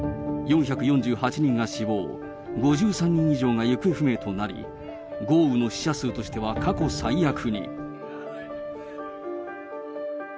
４４８人が死亡、５３人以上が行方不明となり、豪雨の死者数としては過去最悪に。